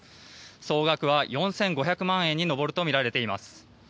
総額は４５００万円に上るとみられています。